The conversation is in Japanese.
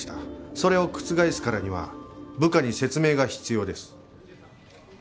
それを覆すからには部下に説明が必要です。